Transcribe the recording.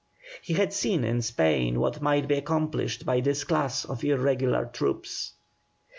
He had seen in Spain what might be accomplished by this class of irregular troops.